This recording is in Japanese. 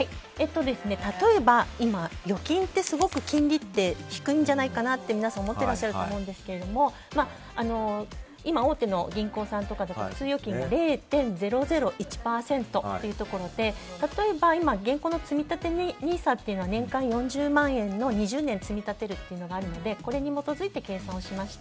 例えば、今預金ってすごく金利が低いんじゃないかなって皆さん思ってると思うんですけど今、大手の銀行さんとかですと普通預金が０．００１％というところで例えば銀行のつみたてＮＩＳＡは年間４０万円の２０年積み立てるというのがあるのでこれに基づいて計算しました。